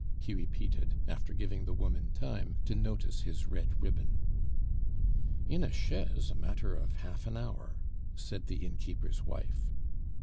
he repeated, after giving the woman time to notice his red ribbon. "In a chaise, a matter of half an hour," said the innkeeper's wife.